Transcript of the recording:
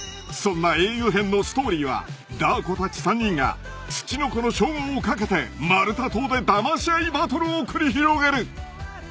［そんな『英雄編』のストーリーはダー子たち３人が「ツチノコ」の称号をかけてマルタ島でだまし合いバトルを繰り広げる！］